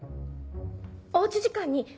おうち時間にＯｈ！